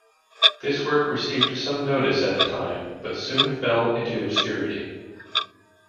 This work received some notice at the time, but soon fell into obscurity.